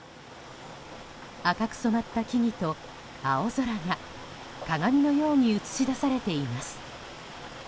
赤く染まった木々と青空が鏡のように映し出されています。